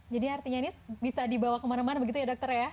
jadi artinya ini bisa dibawa kemana mana begitu ya dokter ya